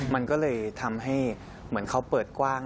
มันก็เลยทำให้เหมือนเขาเปิดกว้าง